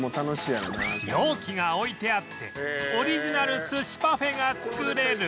容器が置いてあってオリジナル寿司パフェが作れる